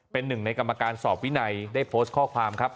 เป็นหนึ่งในกรรมการสอบวินัยได้โพสต์ข้อความครับ